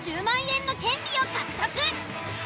１０万円の権利を獲得。